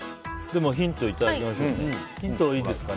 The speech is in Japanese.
でもヒント、いただきましょうか。